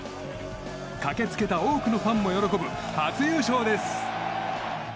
駆け付けた多くのファンも喜ぶ初優勝です！